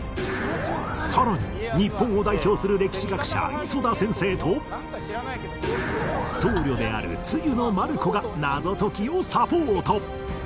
さらに日本を代表する歴史学者磯田先生と僧侶である露の団姫が謎解きをサポート